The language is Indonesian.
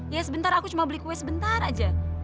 ya sebentar aku cuma beli kue sebentar aja